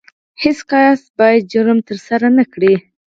هیڅ کس باید جرم ترسره نه کړي.